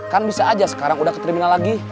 kan bisa aja sekarang udah ke terminal lagi